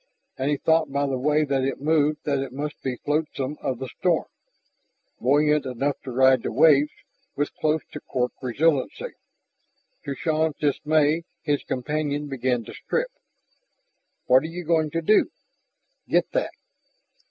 And he thought by the way that it moved that it must be flotsam of the storm, buoyant enough to ride the waves with close to cork resiliency. To Shann's dismay his companion began to strip. "What are you going to do?" "Get that."